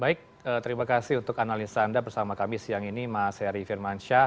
baik terima kasih untuk analisa anda bersama kami siang ini mas heri firmansyah